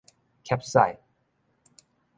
㾀屎